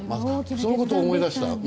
そういうことを思い出した。